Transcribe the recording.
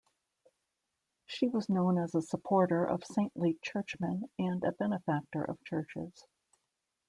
She was known as a supporter of saintly churchmen and a benefactor of churches.